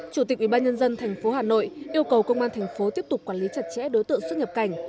chủ tịch ubnd tp hà nội yêu cầu công an thành phố tiếp tục quản lý chặt chẽ đối tượng xuất nhập cảnh